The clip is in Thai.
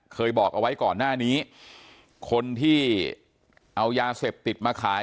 เคยบอกเอาไว้ก่อนหน้านี้คนที่เอายาเสพติดมาขาย